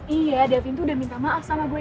iya davin tuh udah minta maaf sama gue